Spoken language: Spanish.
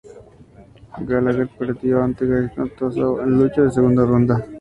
Gallagher perdió ante Akira Tozawa en su lucha de la segunda ronda.